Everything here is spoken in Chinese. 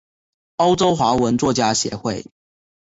欧洲华文作家协会。